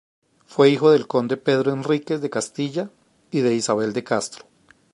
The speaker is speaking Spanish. Fue hijo del conde Pedro Enríquez de Castilla y de Isabel de Castro.